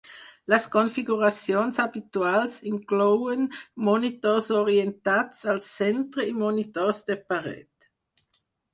Les configuracions habituals inclouen monitors orientats al centre i monitors de paret.